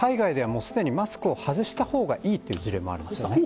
海外ではもうすでにマスクを外した方がいいという事例もあるんですね。